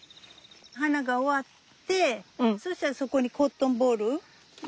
花が終わってそしたらそこにコットンボール。